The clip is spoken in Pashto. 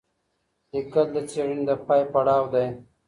لیکل د څېړني د پای پړاو دی.